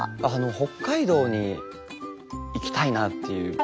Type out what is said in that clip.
あの北海道に行きたいなっていう。